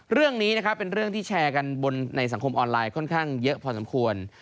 เรื่องนี้นะครับเป็นเรื่องที่แชร์กันบนในสังคมออนไลน์ค่อนข้างเยอะพอสมควร